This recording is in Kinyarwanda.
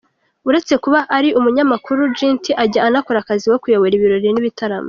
Uretse kuba ari umunyamakuru, Ginty ajya anakora akazi ko kuyobora ibirori n'ibitaramo.